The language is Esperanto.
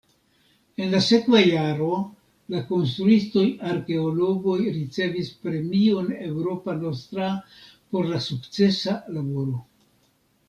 En la sekva jaro la konstruistoj-arkeologoj ricevis premion Europa Nostra por la sukcesa laboro.